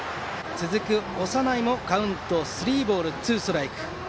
続く長内もカウントスリーボールツーストライク。